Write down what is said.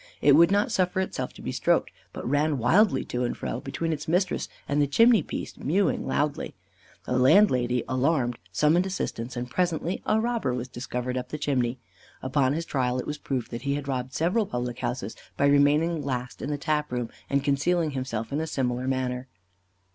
It would not suffer itself to be stroked, but ran wildly, to and fro, between its mistress and the chimney piece, mewing loudly. The landlady alarmed, summoned assistance, and presently a robber was discovered up the chimney. Upon his trial it was proved that he had robbed several public houses, by remaining last in the tap room, and concealing himself in a similar manner.